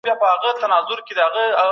سوله د ژوند تر ټولو ستر نعمت دی.